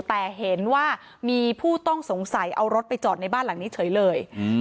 แต่เห็นว่ามีผู้ต้องสงสัยเอารถไปจอดในบ้านหลังนี้เฉยเลย